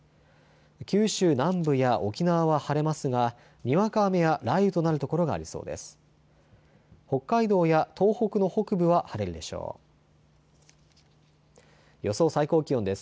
九州南部や沖縄は晴れますがにわか雨や雷雨となる所がありそうです。